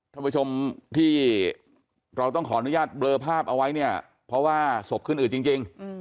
ท่านผู้ชมที่เราต้องขออนุญาตเบลอภาพเอาไว้เนี่ยเพราะว่าศพขึ้นอืดจริง